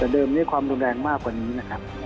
เดิมนี้ความรุนแรงมากกว่านี้นะครับ